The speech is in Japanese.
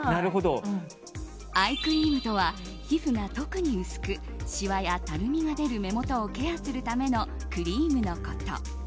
アイクリームとは皮膚が特に薄くしわやたるみが出る目元をケアするためのクリームのこと。